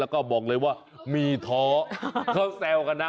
แล้วก็บอกเลยว่ามีท้อเขาแซวกันนะ